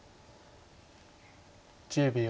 １０秒。